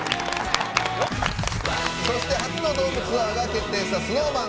そして初のドームツアーが決定したＳｎｏｗＭａｎ。